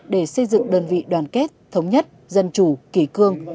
để xây dựng đơn vị đoàn kết thống nhất dân chủ kỳ cương